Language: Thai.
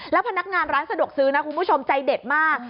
แล้วพนักงานร้านสะดวกซื้อนะคุณผู้ชมใจเด็ดมาก